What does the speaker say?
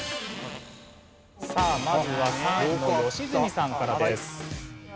さあまずは３位の良純さんからです。